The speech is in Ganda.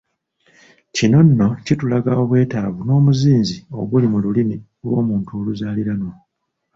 Kino nno kitulaga obwetaavu n’omuzinzi oguli mu lulimi lw’Omuntu oluzaaliranwa.